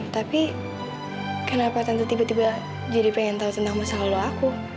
tapi kenapa tante tiba tiba jadi pengen tahu tentang masalah lo aku